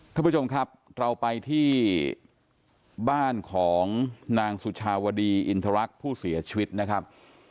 ท่านผู้ชมครับเราไปที่บ้านของนางสุชาวดีอินทรรักษ์ผู้เสียชีวิตนะครับ